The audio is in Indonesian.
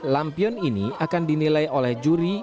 lampion ini akan dinilai oleh juri